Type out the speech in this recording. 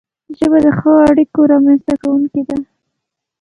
ژبه د ښو اړیکو رامنځته کونکی ده